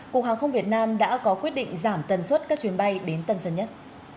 cục hàng không việt nam đã có quyết định giảm tần suất các chuyến bay đến tân sân nhất